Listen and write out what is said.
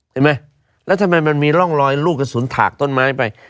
เห็นไหมแล้วทำไมมันมีร่องรอยลูกกระสุนถากต้นไม้ไป